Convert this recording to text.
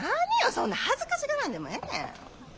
そんな恥ずかしがらんでもええねん。